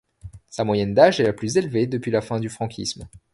Sa moyenne d'âge est la plus élevée depuis la fin du franquisme.